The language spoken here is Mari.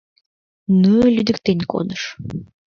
Ну и лӱдыктен кодыш.